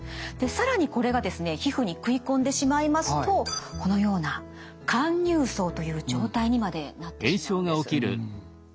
更にこれがですね皮膚にくいこんでしまいますとこのような陥入爪という状態にまでなってしまうんです。